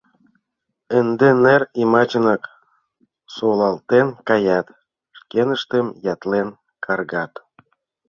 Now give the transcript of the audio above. Ынде нер йымачынак солалтен каят», — шкеныштым ятлен каргат.